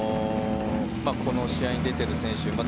この試合に出ている選手